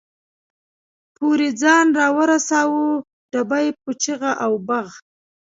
پورې ځان را ورساوه، ډبې په چغ او بغ.